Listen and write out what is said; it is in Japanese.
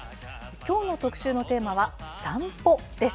きょうの特集のテーマは、散歩です。